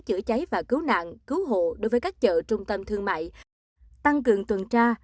chữa cháy và cứu nạn cứu hộ đối với các chợ trung tâm thương mại tăng cường tuần tra